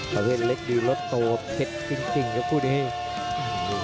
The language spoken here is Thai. ประเภทเล็กดีรถโตเผ็ดจริงครับคู่นี้